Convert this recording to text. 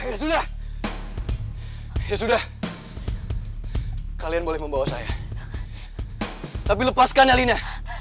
ya sudah kalian boleh membawa saya tapi lepaskan alina